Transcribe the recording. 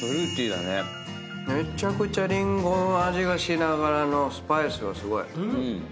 めちゃくちゃリンゴの味がしながらのスパイスがすごい。